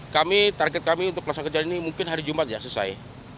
kami target kami untuk pelaksana kerjaan ini mungkin hari jumat ya selesai